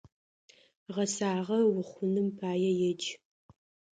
Гъэсагъэ ухъуным пае едж!